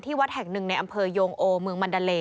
วัดแห่งหนึ่งในอำเภอโยงโอเมืองมันดาเล